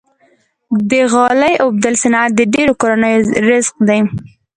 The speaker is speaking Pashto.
د غالۍ اوبدلو صنعت د ډیرو کورنیو رزق دی۔